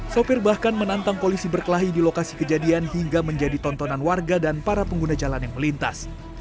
sopir bahkan menantang polisi berkelahi di lokasi kejadian hingga menjadi tontonan warga dan para pengguna jalan yang melintas